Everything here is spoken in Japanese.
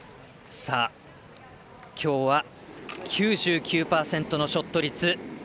きょうは９９％のショット率